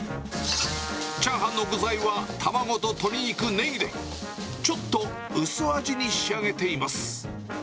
チャーハンの具材は卵と鶏肉、ネギで、ちょっと薄味に仕上げています。